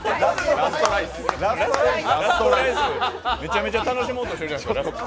ラストライス、めちゃめちゃ楽しもうとしてるじゃないですか。